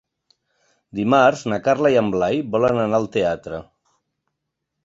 Dimarts na Carla i en Blai volen anar al teatre.